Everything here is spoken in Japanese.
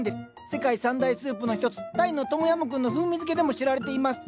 世界３大スープの一つタイのトムヤムクンの風味付けでも知られています。